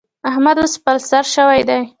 احمد اوس د خپل سر شوی دی.